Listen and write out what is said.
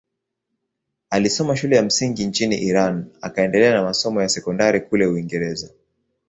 Alisoma shule ya msingi nchini Iran akaendelea na masomo ya sekondari kule Uingereza.